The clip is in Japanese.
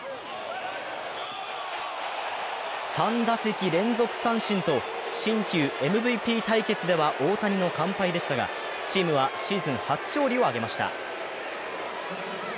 ３打席連続三振と新旧ＭＶＰ対決では大谷の完敗でしたが、チームはシーズン初勝利を挙げました。